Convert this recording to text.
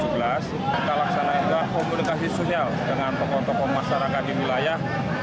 kita laksanakan komunikasi sosial dengan tokoh tokoh masyarakat di wilayah